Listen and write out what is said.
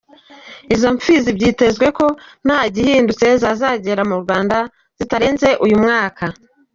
Izo mfizi byitezwe ko nta gihindutse zazagera mu Rwanda bitarenze uyu mwaka.